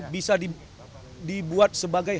bisa dibuat sebagai